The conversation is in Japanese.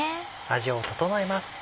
味を調えます。